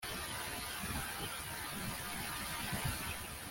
umutimanama utamucira urubanza ni ikimenyetso simusiga cyo kwibuka nabi